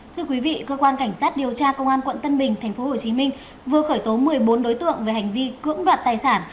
thưa quý vị cơ quan cảnh sát điều tra công an quận tân bình tp hcm vừa khởi tố một mươi bốn đối tượng về hành vi cưỡng đoạt tài sản